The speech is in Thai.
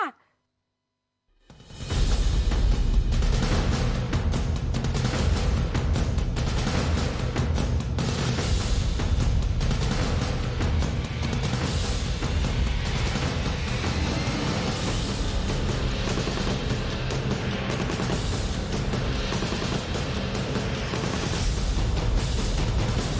แถมตัวยะหิตังฮาค่ะ